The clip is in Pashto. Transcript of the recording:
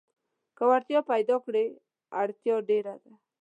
که وړتيا پيداکړې اړتيا ډېره ده.